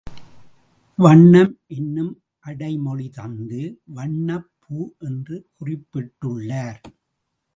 வண்ணம் என்னும் அடைமொழி தந்து வண்ணப் பூ என்று குறிப்பிட்டுள்ளார்.